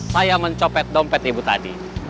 saya mencopet dompet ibu tadi